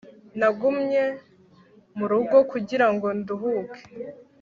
Nagumye mu rugo kugira ngo nduhuke